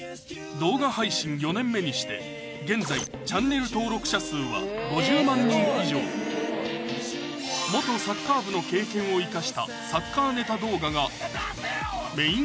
動画配信４年目にして現在チャンネル登録者数は５０万人以上サッカー部の経験を生かしたサッカーネタ動画がメイン